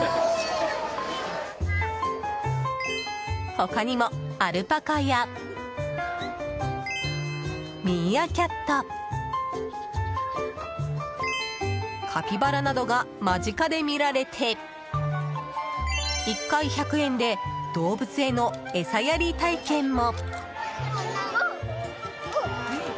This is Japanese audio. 他にもアルパカやミーアキャットカピバラなどが間近で見られて１回１００円で動物への餌やり体験も。